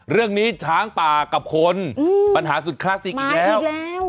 เรื่องนี้ช้างป่ากับคนปัญหาสุดคลาสสิกอีกแล้ว